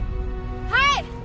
はい！